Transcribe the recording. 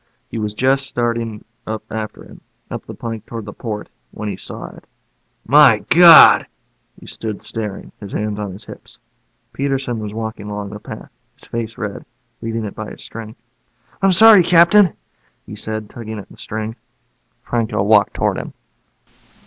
He was just starting up after him, up the plank toward the port, when he saw it. "My God!" He stood staring, his hands on his hips. Peterson was walking along the path, his face red, leading it by a string. "I'm sorry, Captain," he said, tugging at the string. Franco walked toward him.